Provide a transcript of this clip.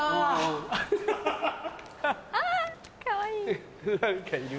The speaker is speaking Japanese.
あかわいい。